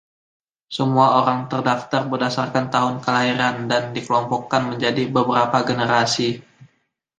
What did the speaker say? Semua orang terdaftar berdasarkan tahun kelahiran dan dikelompokkan menjadi beberapa generasi.